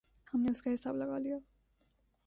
ہم نے اس کا حساب لگا لیا۔